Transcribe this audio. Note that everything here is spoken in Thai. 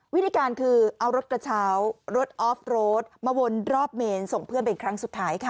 วิธีการคือเอารถกระเช้ารถออฟโรดมาวนรอบเมนส่งเพื่อนเป็นครั้งสุดท้ายค่ะ